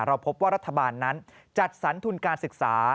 เราพบว่ารัฐบาลนั้นจัดสรรทุนการศึกษา